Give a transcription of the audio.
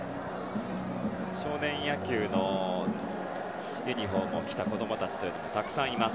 少年野球のユニホームを着た子供たちがたくさんいます。